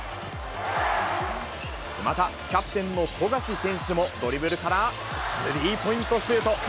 また、キャプテンの富樫選手も、ドリブルから、スリーポイントシュート。